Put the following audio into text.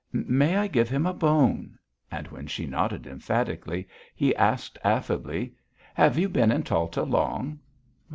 "May I give him a bone?" and when she nodded emphatically, he asked affably: "Have you been in Talta long?"